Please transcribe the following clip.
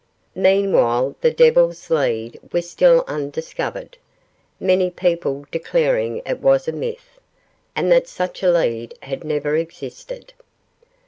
Meanwhile, the Devil's Lead was still undiscovered, many people declaring it was a myth, and that such a lead had never existed.